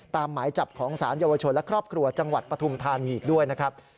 หมายจับของสารเยาวชนและครอบครัวจังหวัดปฐุมธานีอีกด้วยนะครับ